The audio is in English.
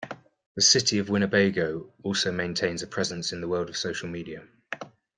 The City of Winnebago also maintains a presence in the world of social media.